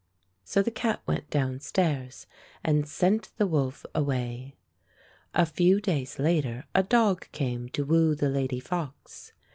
So the cat went downstairs and sent the wolf away. A few days later a dog came to woo the lady fox.